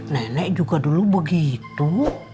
nenek juga dulu begitu